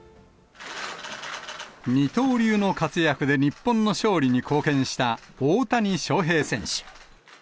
二刀流の活躍で日本の勝利に貢献した大谷翔平選手。